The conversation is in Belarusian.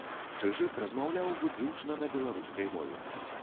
Чыжык размаўляў выключна на беларускай мове.